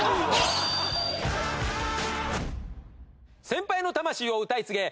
先輩の魂を歌い継げ！！